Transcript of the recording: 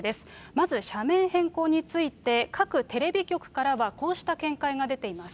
まず社名変更について、各テレビ局からはこうした見解が出ています。